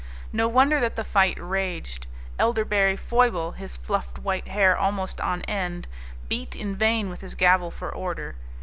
No wonder that the fight raged. Elderberry Foible, his fluffed white hair almost on end, beat in vain with his gavel for order.